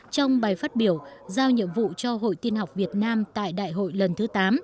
trong bài phát biểu giao nhiệm vụ cho hội tiên học việt nam tại đại hội lần thứ tám